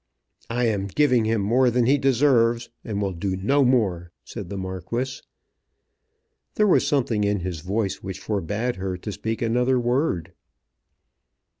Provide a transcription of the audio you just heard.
"I am giving him more than he deserves, and will do no more," said the Marquis. There was something in his voice which forbade her to speak another word.